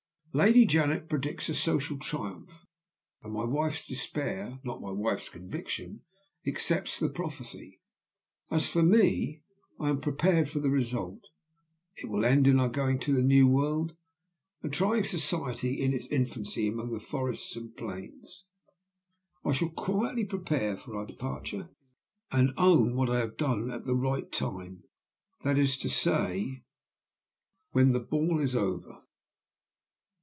Lady Janet predicts a social triumph; and my wife's despair not my wife's conviction accepts the prophecy. As for me, I am prepared for the result. It will end in our going to the New World, and trying Society in its infancy, among the forests and the plains. I shall quietly prepare for our departure, and own what I have done at the right time that is to say, when the ball is over."